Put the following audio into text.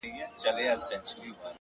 د عمل قوت شک ماتوي،